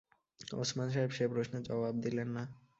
ওসমান সাহেব সে প্রশ্নের জবাব দিলেন না।